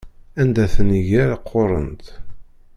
Anda tent-iger qquṛent.